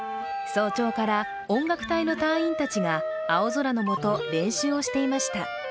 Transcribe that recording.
早朝から音楽隊の隊員たちが青空のもと、練習をしていました。